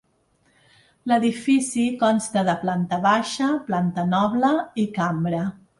L'edifici consta de planta baixa, planta noble i cambra.